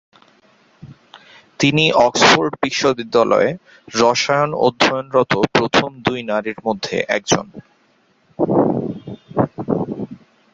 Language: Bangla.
তিনি অক্সফোর্ড বিশ্ববিদ্যালয়ে রসায়ন অধ্যয়নরত প্রথম দুই নারীর মধ্যে একজন।